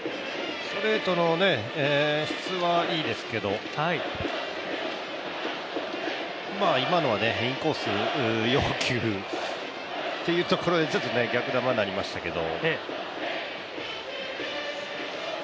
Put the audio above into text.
ストレートの質はいいですけど今のはね、インコース要求っていうところでちょっと逆球になりましたけど。